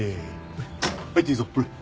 入っていいぞほら。